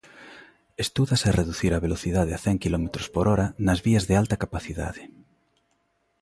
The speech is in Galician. Estudase reducir a velocidade a cen quilómetros por hora nas vías de alta capacidade.